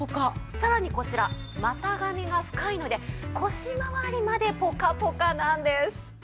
さらにこちら股上が深いので腰まわりまでポカポカなんです。